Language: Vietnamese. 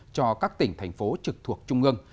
cho các tỉnh thành phố trực thuộc trung ương